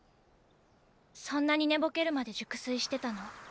そんなに寝ぼけるまで熟睡してたの？